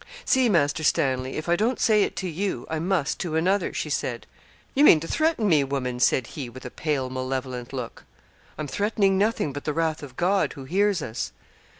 'See, Master Stanley, if I don't say it to you, I must to another,' she said. 'You mean to threaten me, woman,' said he with a pale, malevolent look. 'I'm threatening nothing but the wrath of God, who hears us.'